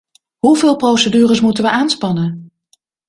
Hoeveel procedures moeten we aanspannen?